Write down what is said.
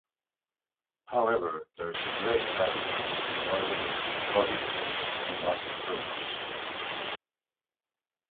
However, there is a grey area involving lobbyists and market rumours.